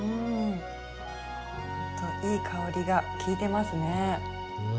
ほんといい香りがきいてますね。